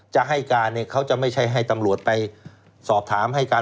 จะให้การเนี่ยเขาจะไม่ใช่ให้ตำรวจไปสอบถามให้การ